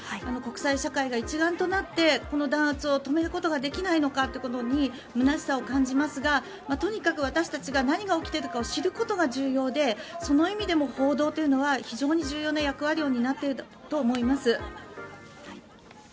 国際社会が一丸となってこの弾圧を止めることができないのかというところに空しさを感じますがとにかく私たちが何が起きているのかということが重要でその意味でも報道というのは非常に重要な役割を担っていると思います。